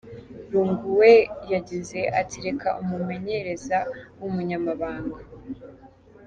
Lungu we yagize ati: "Reka umumenyereza w'umunyamahanga.